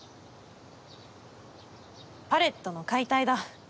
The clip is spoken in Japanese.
パレットの解体だ。